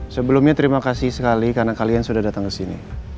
sebelumnya terima kasih sekali karena kalian sudah datang ke sini